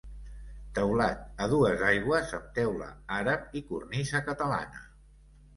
Teulat a dues aigües amb teula àrab i cornisa catalana.